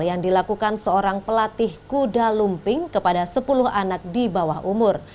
yang dilakukan seorang pelatih kuda lumping kepada sepuluh anak di bawah umur